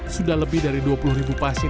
sudah lebih dari dua puluh ribu pasien